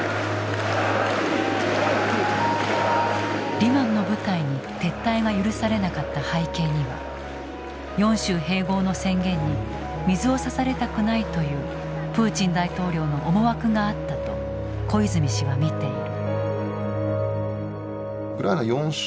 リマンの部隊に撤退が許されなかった背景には４州併合の宣言に水をさされたくないというプーチン大統領の思惑があったと小泉氏は見ている。